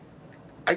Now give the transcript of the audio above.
はい。